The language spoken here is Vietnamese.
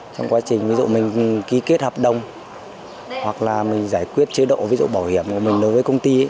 trong quá trình ví dụ mình ký kết hợp đồng hoặc là mình giải quyết chế độ ví dụ bảo hiểm của mình đối với công ty